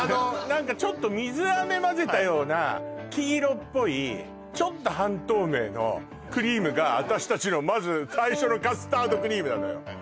何かちょっと水あめまぜたような黄色っぽいちょっと半透明のクリームが私達のまず最初のカスタードクリームなのよ